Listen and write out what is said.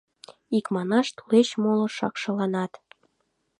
Икманаш, тулеч моло шакшыланат...